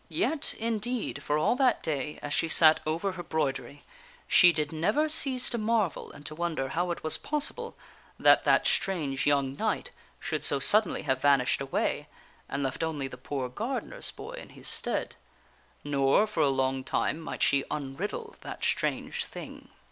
Yet, indeed for all that day, as she sat over her 'broidery, she did never cease to marvel and to wonder how it was possible that that strange young knight should so suddenly have vanished away and left only the poor gardener's boy in his stead. Nor, for a long time, might she unriddle that strange thing.